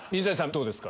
どうですか？